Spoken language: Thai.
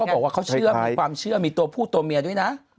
บอกว่าเขาเชื่อมีความเชื่อมีตัวผู้ตัวเมียด้วยนะ